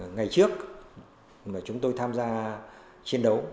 ngày trước chúng tôi tham gia chiến đấu